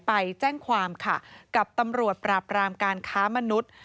ไปแจ้งความค่ะกับตำรวจปราบรามการค้ามนุษย์